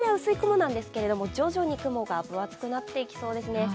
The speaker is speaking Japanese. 明日は朝から、比較的初めは薄い雲なんですけれども、徐々に雲が分厚くなっていきそうですね。